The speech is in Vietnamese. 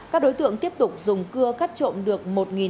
các đối tượng tiếp tục dùng cưa cắt trộm được